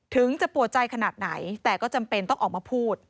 ถึงจะปวดใจขนาดไหนแต่ก็จำเป็นต้องออกมาพูด